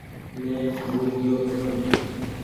مين ڀول گئيو ڇون۔